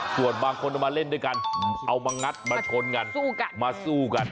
ส่วนบางคนเอามาเล่นด้วยกันเอามางัดมาชนกันสู้กันมาสู้กัน